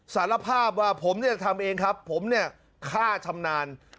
สารภาพว่าผมเนี่ยทำเองครับผมเนี่ยฆ่าชำนาญ